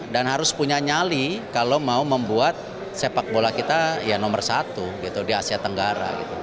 dan harus punya nyali kalau mau membuat sepak bola kita nomor satu di asia tenggara